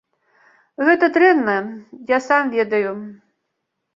Гэта дрэнна, я сам ведаю.